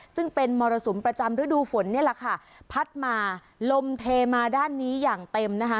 ซึ่งเป็นมรสุมประจำฤดูฝนนี่แหละค่ะพัดมาลมเทมาด้านนี้อย่างเต็มนะคะ